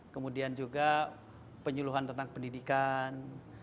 kemudian juga penyuluhan tentang pendidikan